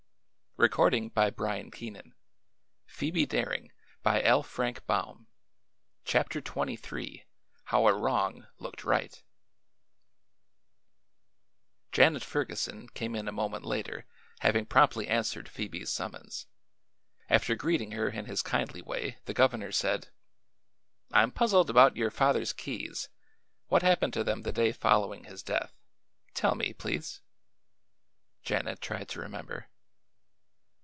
I'll lose my star, and perhaps I'll be prosecuted. But I'm glad I did it." CHAPTER XXIII HOW A WRONG LOOKED RIGHT Janet Ferguson came in a moment later, having promptly answered Phoebe's summons. After greeting her in his kindly way the governor said: "I'm puzzled about your father's keys. What happened to them the day following his death? Tell me, please?" Janet tried to remember.